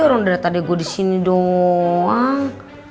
orang dari tadi gue disini doang